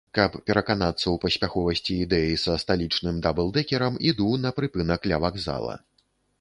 Каб пераканацца ў паспяховасці ідэі са сталічным даблдэкерам, іду на прыпынак ля вакзала.